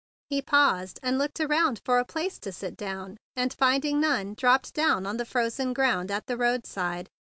He paused and looked around for a place to sit down, and, finding none, dropped down on the frozen ground at the roadside.